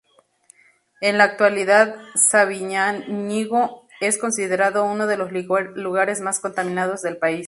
En la actualidad, Sabiñánigo es considerado uno de los lugares más contaminados del país.